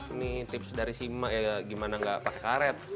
ini tips dari si mak ya gimana nggak pakai karet